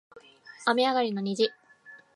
雨上がりの虹